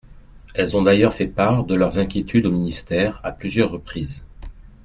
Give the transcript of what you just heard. Elles ont d’ailleurs fait part de leurs inquiétudes au ministère à plusieurs reprises.